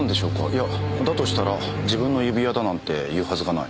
いやだとしたら自分の指輪だなんて言うはずがない。